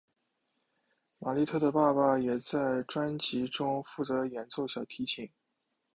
玛莉特的爸爸也在专辑中负责演奏小提琴。